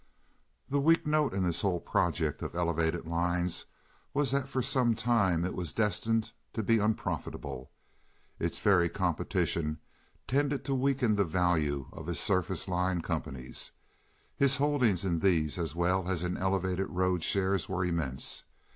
The weak note in this whole project of elevated lines was that for some time it was destined to be unprofitable. Its very competition tended to weaken the value of his surface line companies. His holdings in these as well as in elevated road shares were immense.